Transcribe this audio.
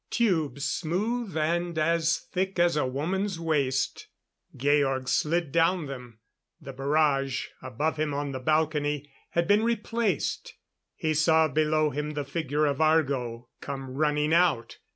Tubes smooth, and as thick as a woman's waist. Georg slid down them. The barrage, above him on the balcony, had been replaced. He saw below him the figure of Argo come running out.